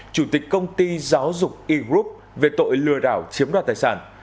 chủ tịch công ty giáo dục e group về tội lừa đảo chiếm đoạt tài sản